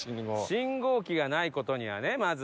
信号機がない事にはねまず。